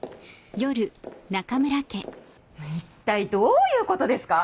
一体どういうことですか？